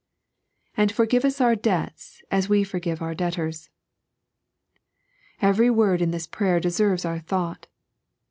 "And Foeoivb vb odb Dbbts, as wb Foboive oob Debtors." Every word in this prayer deeerres our thought.